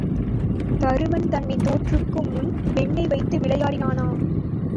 தருமன் தன்னைத் தோற்குமுன் பெண்ணை வைத்து விளையாடினானா?